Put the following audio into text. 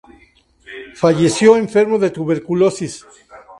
Falleció enfermo de tuberculosis.